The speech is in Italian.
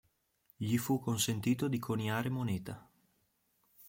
Gli fu consentito di coniare moneta.